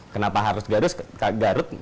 kenapa harus garut